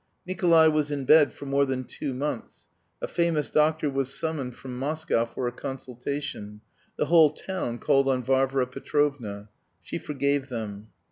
Nikolay was in bed for more than two months. A famous doctor was summoned from Moscow for a consultation; the whole town called on Varvara Petrovna. She forgave them.